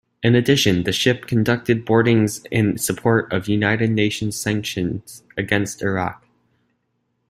In addition, the ship conducted boarding's in support of United Nations sanctions against Iraq.